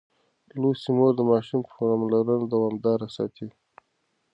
لوستې مور د ماشوم پاملرنه دوامداره ساتي.